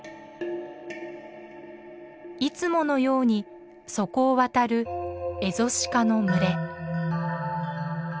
いつものようにそこを渡るエゾシカの群れ。